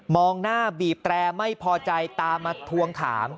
หน้าบีบแตรไม่พอใจตามมาทวงถาม